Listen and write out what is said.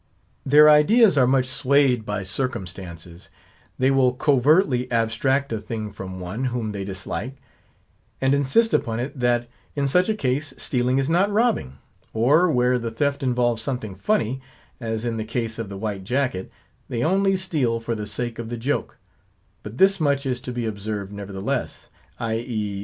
Their ideas are much swayed by circumstances. They will covertly abstract a thing from one, whom they dislike; and insist upon it, that, in such a case, stealing is not robbing. Or, where the theft involves something funny, as in the case of the white jacket, they only steal for the sake of the joke; but this much is to be observed nevertheless, i. e.